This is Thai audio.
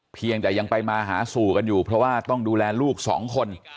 เพียงแต่ยังไปมาหาสู่กันอยู่เพราะว่าต้องดูแลลูกสองคน